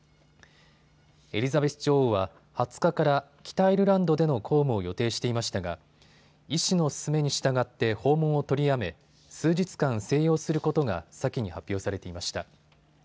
エリザベス女王は２０日から北アイルランドでの公務を予定していましたが医師の勧めに従って訪問を取りやめ数日間、静養することが先に発表されていました。